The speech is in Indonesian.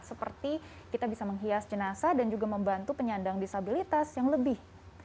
seperti kita bisa menghias jenazah dan juga membantu penyandang disabilitas yang lebih